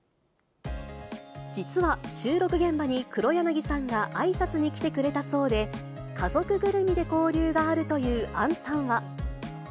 実は、収録現場に黒柳さんがあいさつに来てくれたそうで、家族ぐるみで交流があるという杏さんは。